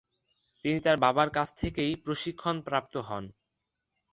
তিনি তার বাবার কাছ থেকেই প্রশিক্ষণপ্রাপ্ত হন।